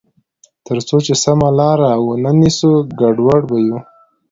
تر څو چې سمه لار ونه نیسو، ګډوډ به یو.